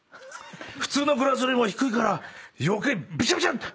普通のグラスよりも低いから余計ビチャビチャって。